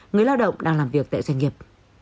người lao động đang làm việc tại doanh nghiệp